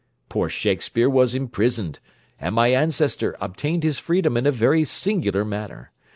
Poor Shakespeare was imprisoned, and my ancestor obtained his freedom in a very singular manner.